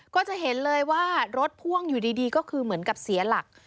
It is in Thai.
ก็จะเห็นเลยว่ารถพ่วงอยู่ดีก็คือเหมือนกับเสียหลัก